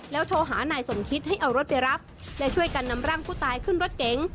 โทรหานายสมคิดให้เอารถไปรับและช่วยกันนำร่างผู้ตายขึ้นรถเก๋ง